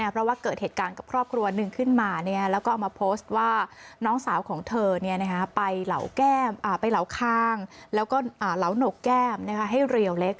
เพราะว่าเกิดเหตุการณ์กับครอบครัวหนึ่งขึ้นมาแล้วก็เอามาโพสต์ว่าน้องสาวของเธอไปเหลาข้างแล้วก็เหลาหนกแก้มให้เรียวเล็ก